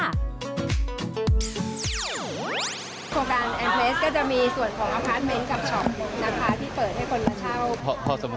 โครงการแอนด์เพลสก็จะมีส่วนของอพาร์ทเม้นท์กับช็อปนะคะ